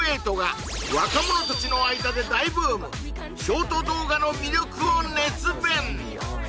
若者達の間で大ブームショート動画の魅力を熱弁！